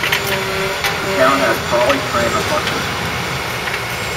The town has trolley, tram and bus systems.